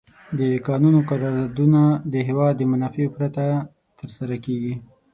د کانونو قراردادونه د هېواد د منافعو پرته تر سره کیږي.